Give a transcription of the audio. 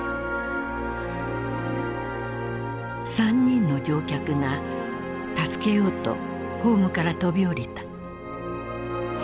３人の乗客が助けようとホームから飛び降りた。